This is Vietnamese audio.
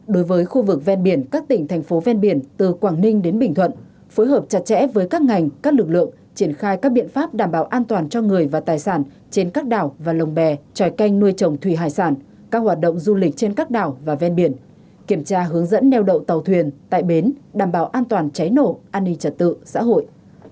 ba đối với khu vực ven biển các tỉnh thành phố ven biển từ quảng ninh đến bình thuận phối hợp chặt chẽ với các ngành các lực lượng triển khai các biện pháp đảm bảo an toàn cho người và tài sản trên các đảo và lồng bè tròi canh nuôi trồng thủy hải sản các hoạt động du lịch trên các đảo và ven biển kiểm tra hướng dẫn neo đậu tàu thuyền tại bến đảm bảo an toàn cháy nổ an ninh trật tự xã hội